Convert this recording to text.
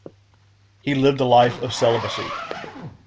He lived a life of celibacy.